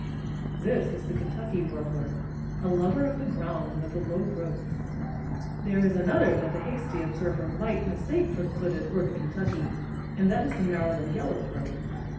This is the Kentucky warbler, a lover of the ground and of the low growths. There is another that the hasty observer might mistake for the hooded or the Kentucky, and that is the Maryland yellowthroat.